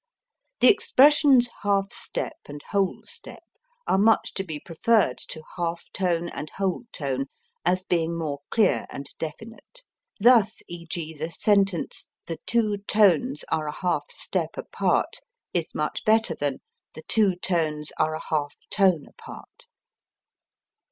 The expressions half step and whole step are much to be preferred to half tone and whole tone, as being more clear and definite. Thus e.g., the sentence "The two tones are a half step apart" is much better than "The two tones are a half tone apart."